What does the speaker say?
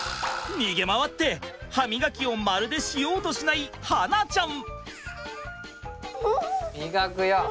逃げ回って歯みがきをまるでしようとしない巴梛ちゃん。